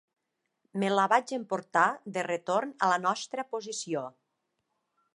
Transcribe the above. Me la vaig emportar de retorn a la nostra posició